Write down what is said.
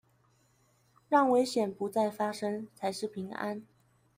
讓危險不發生才是平安